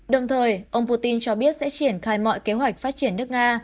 đồng thời ông putin cho biết sẽ triển khai mọi kế hoạch phát triển nước nga